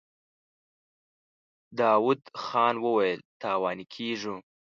داوود خان وويل: تاواني کېږو.